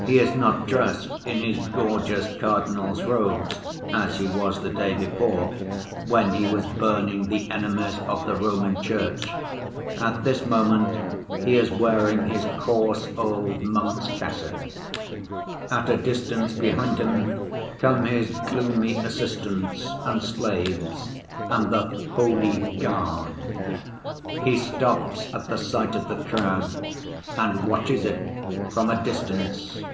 He is not dressed in his gorgeous cardinal's robes, as he was the day before, when he was burning the enemies of the Roman Church—at this moment he is wearing his coarse, old, monk's cassock. At a distance behind him come his gloomy assistants and slaves and the 'holy guard.' He stops at the sight of the crowd and watches it from a distance.